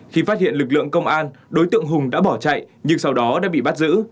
khi phát hiện lực lượng công an đối tượng hùng đã bỏ chạy nhưng sau đó đã bị bắt giữ